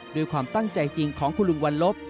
ด้วยความตั้งใจจริงของคุณลุงวันลบ